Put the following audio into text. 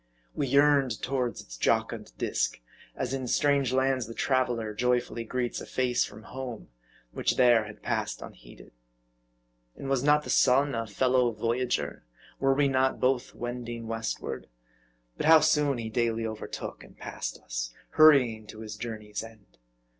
We yearned toward its jocund disk, as in strange lands the traveler joyfully greets a face from home, which there had passed unheeded. And was not the sun a fellow voyager ? were we not both wending westward ? But how soon he daily overtook and passed us ; hurrying to his journey's end.